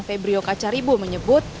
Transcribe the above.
febrio kacaribu menyebut